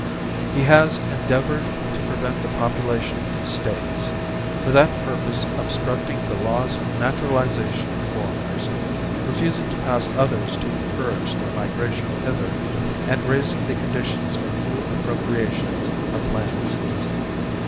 He has endeavoured to prevent the population of these States; for that purpose obstructing the Laws of Naturalization of Foreigners; refusing to pass others to encourage their migration hither, and raising the conditions of new Appropriations of Lands.